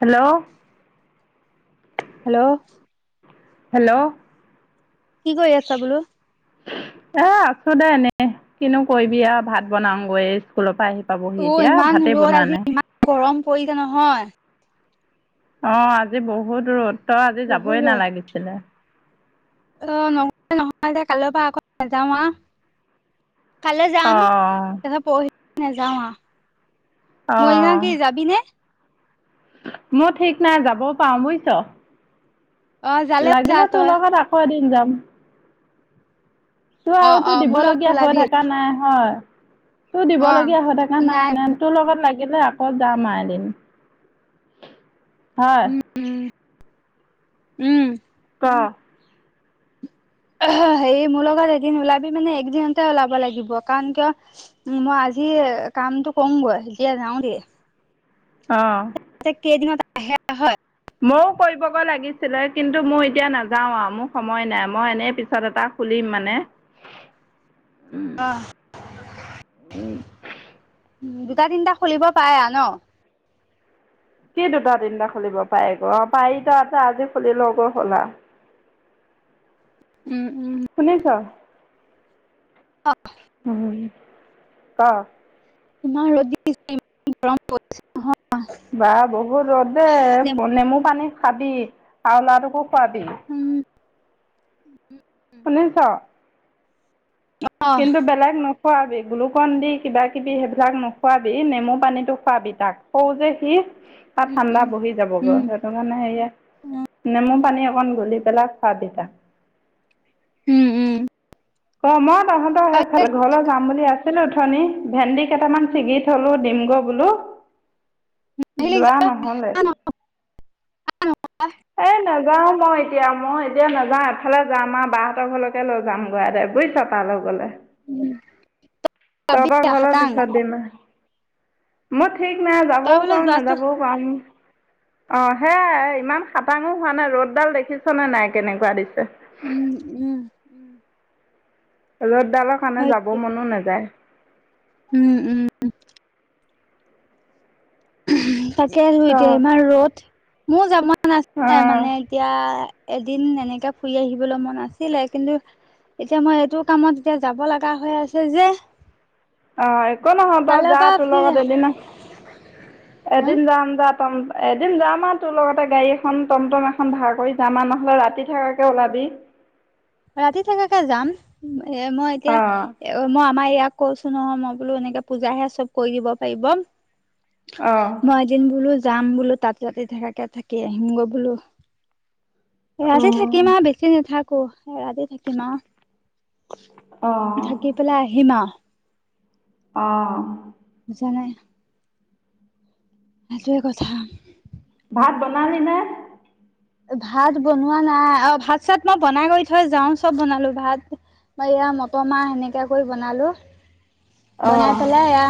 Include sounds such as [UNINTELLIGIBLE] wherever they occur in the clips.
Hello hello hello কি কৰি আছা বোলো? এ, আছো দে এনে, কিনো কৰিবি আউ ভাত বনাওগৈ স্কুলৰ পা আহি অ পাবহি এতিয়া, ইমান ভাতেই ৰ'দ বনোৱা আজি নাই। ইমান গৰম পৰিছে নহয়। অ', আজি বহুত ৰ'দ তই আজি বহুত যাবই ৰ'দ। নালাগিছিলে। অ', ন, নহয় দে কাইলৈৰ পা আকৌ নাযাওঁ আ। কাইলে অ যাম, তাহ পৰহিলে নাযাওঁ আ অ মৰিগাওঁ কি যাবি নে? মোৰ ঠিক নাই, যাবও পাৰো বুইছ। অ যালেও যা লাগিলে তোৰ তই লগত আকৌ এদিন যাম। তোৰ অ আৰু অ তোৰ মোৰ লগত দিবলগীয়া হৈ ওলাবি থাকা নাই হয়। তোৰ অ দিবলগীয়া হৈ থকা নাই নে তোৰ লগত লাগিলে আকৌ যাম আ এদিন হয়। উম উম। ক' হেৰি, মোৰ লগত এদিন ওলাবি মানে, একদিনতে ওলাব লাগিব, কাৰণ কিয় উম, মই আজি কামতটো কউংগৈ, এতিয়া যাওগে। অঁ। এতিয়া কেইদিনত আহে, হয়। ময়ো কৰিবগৈ লাগিছিলে, কিন্তু মোৰ এতিয়া নাযাওঁ আউ মোৰ সময় নাই, মই এনেই পিছত এটা খুলিম মানে। উম, অ'। উম। দুটা, তিনিটা খুলিব পায় আউ ন'। কি দুটা তিনিটা খুলিব পায় ক পাৰিতো, আছে, আজি খুলি লওঁ, খোলা। [INAUDIBLE] উম, উম। শুনিছ? অঁ। উম ক ইমান ৰ'দ, [UNINTELLIGIBLE] গৰম। বা বহুত ৰ'দ পৰিছে দেই, নেমু পানী খাবি, আউ ল'ৱা টোকো খোৱাবি। উম। শুনিছ? অহ, কিন্তু বেলেগ নো খোৱাবি, গ্লুকন দি কিবা কিবি সেইবিলাক নোখোৱাবি, নেমু পানীটো খোৱাবি তাক, সউ যে সি। তাত উম, ঠাণ্ডা উম, বহি যাব গৈ উম। হেট টো কাৰণে ইয়াক, নেমু পানী অকণ গলি পেলাই খোৱাবি তাক। উম, উম। ক, মই তহঁতৰ সেইফালে, ঘৰলৈ যাম বুলি আছিলোঁ উথনি। ভেন্দি কেইটামান ছিগি থলোঁ দিমগৈ বোলো যোৱা নহ'লে। এ নেযাও মই এতিয়া মই এতিয়া নাযাওঁ এফালে যাম আউ বাহঁতৰ ঘৰলৈকে লৈ যাম গৈ আউ বুইছ তালৈ গলে। তহত খাটাং ঘলে পিছত দিম মই ঠিক নাই তই যাবও বোলে পাওং যোৱাটো নাযাবও পাওংক অ হেয়াই ইমান খাটাঙো হোৱা নাই ৰ'দডাল দেখিছনে নাই কেনেকুৱা দিছে। উ উম। ৰ'ত ডালৰ কাৰণে হয় যাব মনো নাযায়। উম উম। তাকে ধুই ক এতিয়া ইমান ৰ'দ মোৰ যাব মন আছিলে অঁ মানে এতিয়া এদিন এনেকে ফুৰি আহিবলৈ মন আছিলে কিন্তু এতিয়া মই এইটো কামত এতিয়া যাব লাগা হৈ আছে যে। অঁ'একো নহয় বাৰু কাইলৈৰ যা পৰা তোৰ ফ্ৰী লগত এদিন আছোঁ। এদিন যাম যাত। টম এদিন যাম আউ তোৰ লগতে গাড়ী এখন টমটম এখন ভাড় কৰি যামা নহ'লে ৰাতি থকাকে ওলাবি। অ'। [UNINTELLIGIBLE] ৰাতি থকাকে যাম এ মই এতিয়া অঁ মই আমাৰ ইয়াক কৈছো নহয় মই বোলো এনেকে পূজাহে চব কৰি দিব পাৰিব। অ'। মই এদিন বোলো যাম বোলো তাতে তা থাকাকে থাকি আহিমগৈ বোলো। এৰাতে থাকিম আৰু, বেছি নাথাকোঁ, এৰাতি থাকিম অঁ আৰু। থাকি পেলাই আহিম আৰু। অ'। বুজা নাই। সটোয়ে কথা। ভাত বনালি নে? ভাত বনোৱা নাই, অ', ভাত-চাত মই বনাই কৰি থৈ যাও, চব বনালো ভাত এয়া মটৰ মাহ সেনেকা কৰি বনালোঁ। অঁ বনাই পালেই এয়া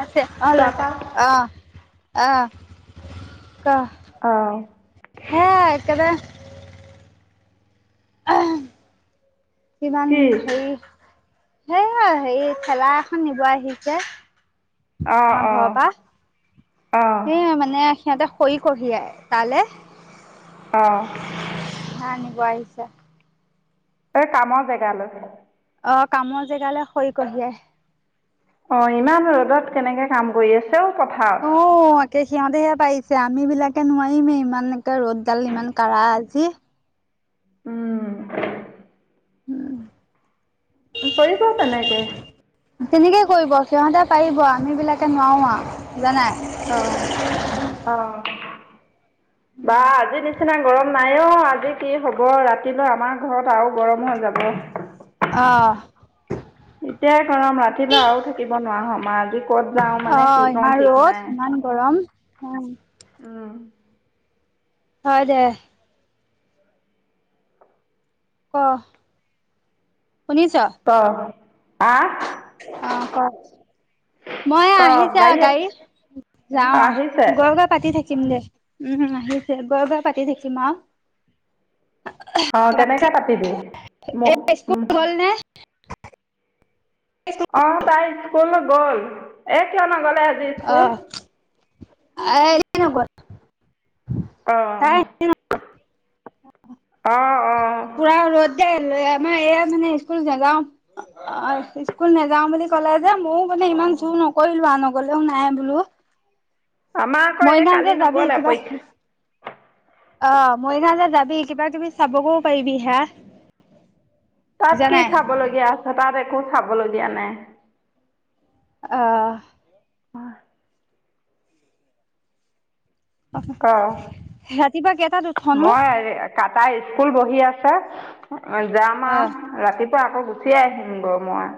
আছে, অ', লৈ তাৰপা যাওক, আহ। আহ, ক। অ'। হে একেবাৰে আহ। কিমান কি হেৰি, সে হেৰি থেলা এখন নিব আহিছে। অঁ আমাৰ অঁ ঘৰৰ পৰা, অঁ সেই মানে সিহঁতে খৰি কঢ়িয়াই তালে, অঁ হেয়া আনিব আহিছ। কামৰ জেগা লৈ। অ', কামৰ জেগালে খৰি কঢ়িয়াই। অ', ইমান ৰ'দত কেনেকে কাম কৰি আছে অ', পথাৰত। অ', একে সিহঁতেহে পাৰিছে আমি বিলাকে নোৱাৰিমেই ইমান ৰ'দডাল ইমান কাঢ়া আজি। উম, উম। পাৰিব তেনেকে। তেনেকে কৰিব, সিহঁতে পাৰিব, আম বিলাকে নোৱাৰো আৰু, বুজা নাই? অ', অ', বা আজি নিচিনা গৰম নাই অ', আজি কি হ'ব, ৰাতিলৈ আমাৰ ঘৰত আৰু গৰম হৈ যাব। অ'। এতিয়াই গৰম, ৰাতিলৈ আৰু থাকিব নোৱাৰা হম আৰু, আজি ক'ত যাও অ মানে কি কওঁ ইমান ঠিক ৰ'দ নাই। ইমান গৰম অ'। উম। হয় দে। ক'। শুনিছ? ক', আহ? অ', ক'। মই এয়া ক আহিছে আৰু গাড়ীয়ে গাড়ী, যাওঁ আহ, আহিছে গৈ-গৈ পাতি থাকিম দে, উম, আহিছে, গৈ-গৈ পাতি থাকিম আৰু। অহ কেনেকে পাতিবি, ম, এই স্কুল উম। গ'ল নে অহ তাই স্কুল গ'ল, এ কিয় নগ'লে আজি স্কুল? এই এনেই নগল, অ তাই [UNINTELLIGIBLE] অ', অ'। পুৰা ৰ'দ দে, আহ, মানে, এয়া মানে স্কুল নাযাও, অহ স্কুল নাযাও বুলি ক'লে যে, ময়ো মানে ইমান জোৰ নকৰিলোঁ আৰু নগলেও নাই বোলোঁ। আমাৰ আকৌ এই মৰিগাঁও কালি যে যাবি নগ'লে কিবা পৰীক্ষা অঁ মৰিগাঁও যে যাবি কিবা কিবি চাবগো পাৰিবি হায়াট। তাত কি চাবলগীয়া আছে তাত একো চাবলগীয়া নাই। আহ- অহ ৰাতিপুৱা কেইটাত উঠনো মই আজি- কাটাই স্কুল বহি আছে জাম অ আৰু ৰাতিপুৱা আকৌ গো- গুচিয়ে আহিম গো মই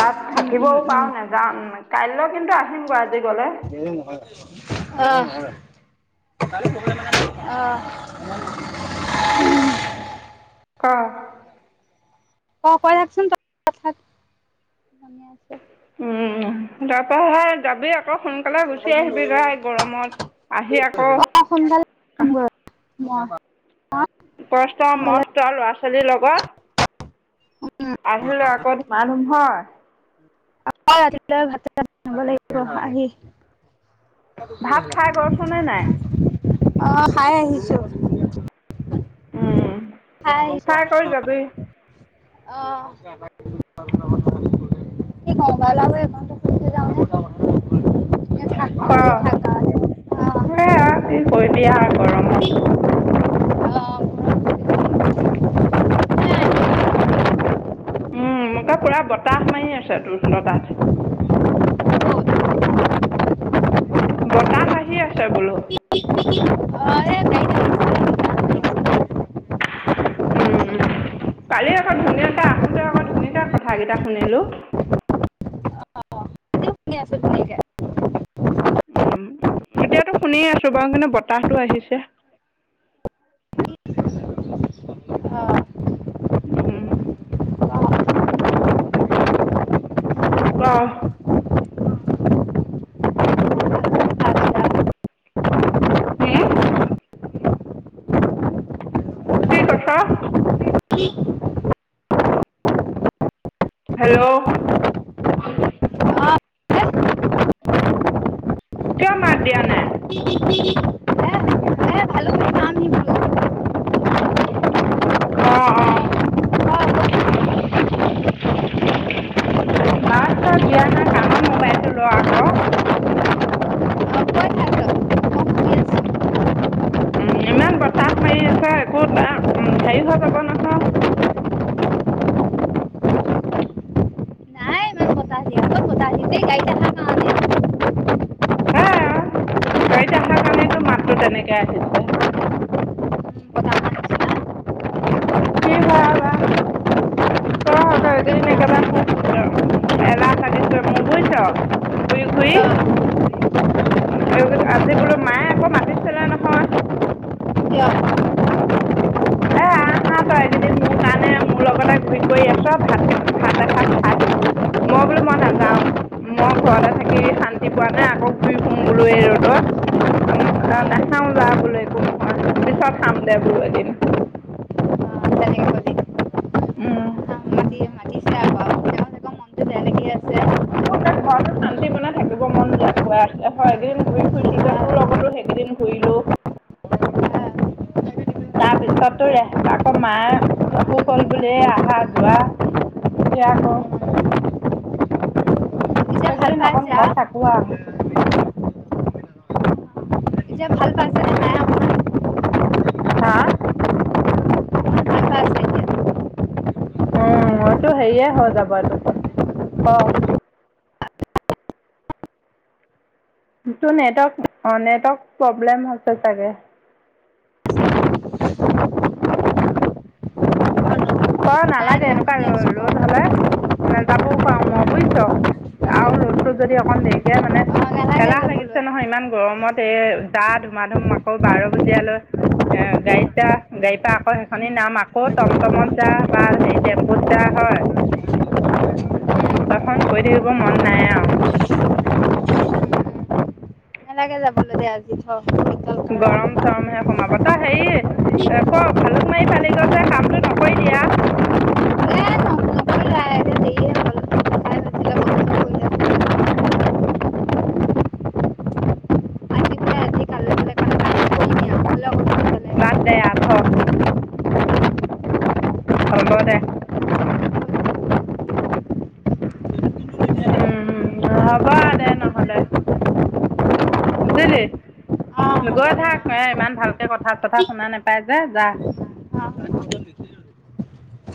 বাট উম থাকিবও উম উম পাৰো নেযানো- কাইলৈ কিন্তু আহিমগৈ আজি গ'লে। এনেই মোহাই নহয় মাতিছ। আহ আহ। কহ- অহ কৈ থাকচোন তই উমঁ তাৰপা সেই যাবি আকৌ আকৌ সোনকালে গুচি আহিবি যাই গৰমত আহি আকৌ সোনকালোম আহিম গৰমত। কষ্ট মষ্ট ল'ৰা ছোৱালীৰ লগত। উম, আহিলো আকৌ ধুমাধুম হয়। আকৌ ৰাতিতোলে ভাত চাত শিৱ লাগিব আহি। ভাত খাই গৈছনে নাই অহ খাই আহিছোঁ। খাই ফ্ৰাই কৰি আহিছোঁ। যাবি অহ কি কও গলাগে কও। এ থাক ক কালি থাক গাঁৱতে অ', অ', অ', এয়া কি কৰিবি আৰু গৰমত। এই গাড়ীত আহিছো উমঁ মোৰ তাত পুৰা বতাহ মাৰি আছে তুহোত তাত বতাহ আহি আছে বোলো। [UNINTELLIGIBLE] উমঁ কালি আকৌ ধুনীয়াকে আহোতে আকৌ ধুনীয়াকে কথাকেইটা শুনিলোঁ। শুই আছে ধুনীয়াকে। উমঁ এতিয়াতো শুনি আছোঁ বাৰু কিন্তু বতাহটো আহিছে। অ', আচ্ছা। উমঁ! কহ- হুম। কি কথা- হেল্লৌ! কিয় মাত দিয়া নাই? [INAUDIBLE] এ ভালুকপুং যাম নেকি? অঁ, অঁ! অ', ভালো কাম মাত-চাত দিয়া নাই কাণত মোবাইলটো ল' আকৌ। কৈ থাক মই শুনি আছো উমঁ, ইমান বতাহ মাৰি আছে একো ত হেৰি হৈ যাব নহয়। নাই ইমান বতাহ দিয়া ক'ত বতাহ দিছে গাড়ীত অহাৰ কাৰণে সেইয়াই গাড়ীত অহাৰ কৰণেটো মাতটো তেনেকৈ আহিছে। বতাহ অহা নিচিনা কি হয়, আৰু বা। তইক অ, কি এইকেইদিন একেবাৰে খুব শুইছ এলাহ লাগিছে মোৰ বুজিছ। ঘূৰি ঘূৰি বতাহ আজি বোলো মায়ে আকৌ মাতিছিলে নহয়। কিয়? এহ আহ- আহ তই এইকেইদিন মোৰ কাৰণে মোৰ লগতে ঘূৰি কৰি আছ ভাত কে ভাত এসাঁজ খা হি। মই বোলো মই নাযাওঁ। মই ঘৰতে থাকি শান্তি পোৱা নাই, আকৌ ঘূৰি ফুৰোঁ বোলো এই ৰ'দত। নাখাও যা বোলে একো নহয়, পিছত খাম দে বোলো এদিন। তেনেকে কলি উম। [UNINTELLIGIBLE] লাগি আছে আহ, মোৰ একে ঘৰতো শান্তি মনে থাকিব মন যায় গৈ আছে হয়, একেইদিন ঘূৰি ফুৰিছোঁ যে আহ, তোৰ লগতো সেইকেইদিন ঘূৰিলো। তাৰপিছতো ৰে আকৌ মায়ে অসুখ হ'ল বুলি এ আহা যোৱা এতিয়া আকৌ এতিয়া ভাল এইকেইদিন অকন পাইছে আ ঘৰত থাকো আ। এতিয়া ভাল পাইছেনে মায়ে অকমান? হা? অকমান ভাল পাইছে উম, মইতো হেৰিয়ে হৈ যাব এইটো ক, ক'। তোৰ নেটৱৰ্ক অ', নেটৱৰ্ক প্ৰব্লেম হৈছে চাগে। ক এতিয়া নাই নালাগে দে এনেকুৱা শুনি আছো ৰ ক অ, ৰ'দ হ'লে নেযাবও পাৰো মই বুজিছ, আৰু ৰ'দটো যদি অকণ দেৰিকে মানে নালাগে এলাহ লাগিছে যাবলৈ নহয়, ইমান গৰমত এই যা ধুমা-ধুম আকৌ বাৰ বজিয়ালৈ এ গাড়ীত যা গাড়ী পৰা আকৌ উম, সেইখনি নাম আকৌ টমটমত যা বা হেৰি টেম্পুত যা হয়। সেইখন কৰি থাকিব মন নাই আও। নেলাগে যাবলৈ দে আজি থ' ৰ'দ দাল গৰম চৰম হে সোমাব, তই হেৰি এ ক ভালুক মাৰি পালিগৈ যে কামটো নকৰিলিয়া? এ নকৰিলা এতিয়া দেৰিয়ে হ'ল তাই ভাবিছিলে বন্ধ কৰি যাম উম। আজি বোলে আজি কাইলৈ বোলে কাইলৈ কৰিমেই আৰু বোলে অকণমান বেলেগ বাদ অ দে আ থ। হ'ব দে। উম উম, হ'ব আৰু দে নহ'লে। বুজিলি? হ'ব গৈ দে থাক, এ ইমান ভালকে কথা-চথা শুনা নাপায় যে যা।